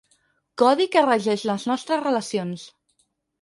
Codi que regeix les nostres relacions.